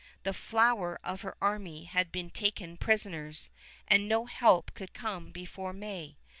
The flower of her army had been taken prisoners, and no help could come before May.